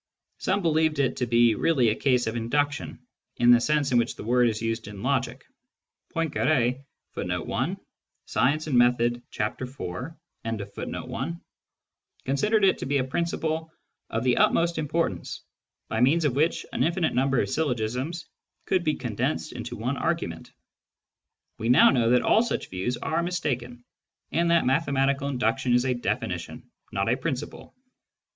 Some believed it to be really a case of induction, in the sense in which that word is used in logic. Poincare l considered it to be a principle of the utmost import ance, by means of which an infinite number of syllogisms could be condensed into one argument. We now know that all such views are mistaken, and that mathematical induction is a definition, not a principle.